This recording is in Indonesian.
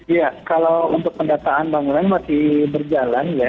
iya kalau untuk pendataan bangunan masih berjalan ya